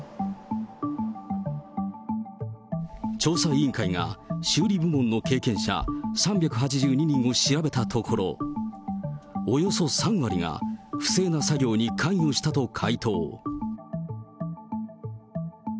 調査委員会が、修理部門の経験者３８２人を調べたところ、およそ３割が不正な作業に関与したと回答。